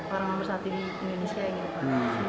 orang nomor satu di indonesia gitu